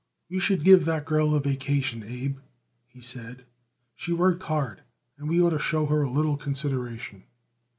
"We should give that girl a vacation, Abe," he said. "She worked hard and we ought to show her a little consideration."